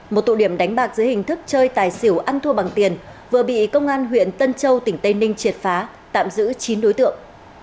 một tụ điểm đánh bạc dưới hình thức chơi tài xỉu ăn thua bằng tiền vừa bị công an huyện tân châu tỉnh tây ninh triệt phá tạm giữ chín đối tượng